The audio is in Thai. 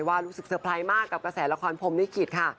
แล้วก็เปิดใจว่ารู้สึกเซอร์ไพรมากกับกระแสละครพรมนิขิตค่ะ